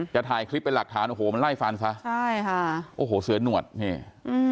ถ่ายคลิปเป็นหลักฐานโอ้โหมันไล่ฟันซะใช่ค่ะโอ้โหเสือหนวดนี่อืม